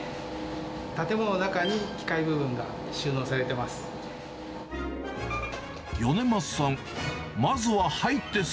建物の中に機械部分が収納されてます。